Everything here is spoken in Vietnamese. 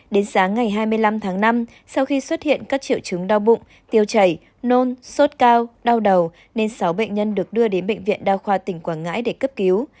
đến sáng ngày hai mươi năm tháng năm sau khi xuất hiện các triệu chứng đau bụng tiêu chảy nôn sốt cao đau đầu nên sáu bệnh nhân được đưa đến bệnh viện đa khoa tỉnh quảng ngãi để cấp cứu